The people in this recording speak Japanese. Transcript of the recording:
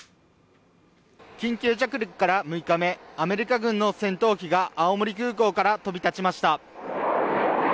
緊急着陸から６日目、アメリカ軍の戦闘機が青森空港から飛び立ちました。